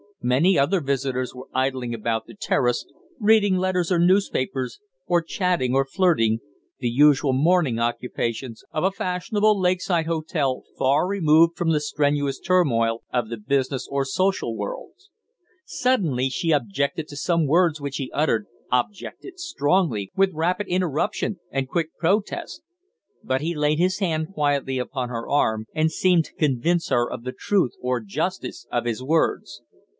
Many other visitors were idling about the terrace, reading letters or newspapers, or chatting or flirting the usual morning occupations of a fashionable lake side hotel far removed from the strenuous turmoil of the business or social worlds. Suddenly she objected to some words which he uttered, objected strongly, with rapid interruption and quick protest. But he laid his hand quietly upon her arm, and seemed to convince her of the truth or justice of his words.